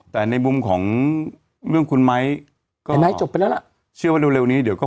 แต่ในมุมของเรื่องคุณไม้จบไปแล้วล่ะเชื่อว่าเร็วนี้เดี๋ยวก็